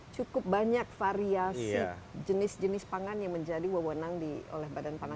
cukup banyak variasi jenis jenis pangan yang menjadi wewenang oleh badan pangan